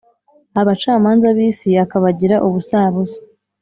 abacamanza b’isi akabagira ubusabusa.